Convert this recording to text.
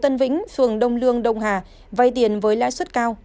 tân vĩnh phường đông lương đông hà vay tiền với lãi suất cao